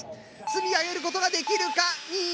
積み上げることができるか⁉２・１。